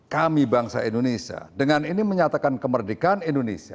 kami bangsa indonesia dengan ini menyatakan kemerdekaan indonesia